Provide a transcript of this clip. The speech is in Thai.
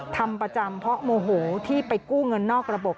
ทำประจำเพราะโมโหที่ไปกู้เงินนอกระบบ